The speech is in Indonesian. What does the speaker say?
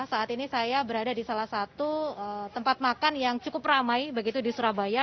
saat ini saya berada di salah satu tempat makan yang cukup ramai begitu di surabaya